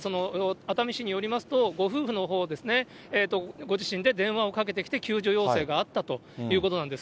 熱海市によりますと、ご夫婦のほうで、ご自身で電話をかけてきて、救助要請があったということなんです。